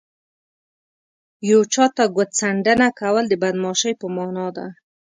یو چاته ګوت څنډنه کول د بدماشۍ په مانا ده